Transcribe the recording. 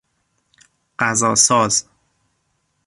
غذاساز